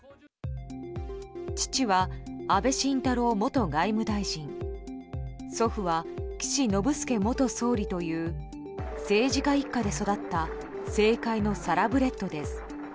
父は安倍晋太郎元外務大臣祖父は岸信介元総理という政治家一家で育った政界のサラブレッドです。